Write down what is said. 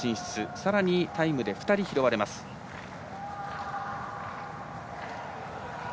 さらにタイムで２人拾われます。